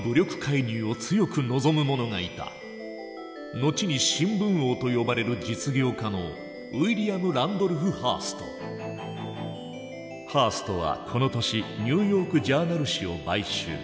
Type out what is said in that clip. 後に「新聞王」と呼ばれる実業家のハーストはこの年「ニューヨーク・ジャーナル」紙を買収。